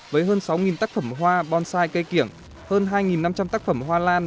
với hơn sáu tác phẩm hoa bonsai cây kiểng hơn hai năm trăm linh tác phẩm hoa lan